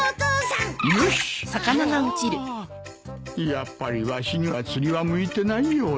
やっぱりわしには釣りは向いてないようだ。